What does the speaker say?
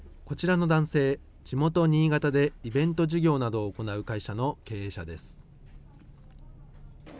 こちらの男性、地元新潟でイベント事業などを行う会社の経営者です。